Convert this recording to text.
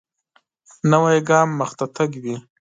نوی ګام مخته تګ وي